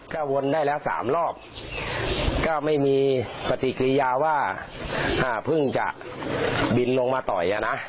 ก็วนได้แล้วสามรอบก็ไม่มีปฏิกิริยาว่าเพิ่งจะบินลงมาต่อยอ่ะนะ